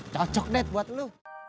cocok dad buat lu